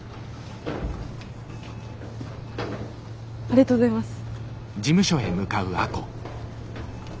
ありがとうございます。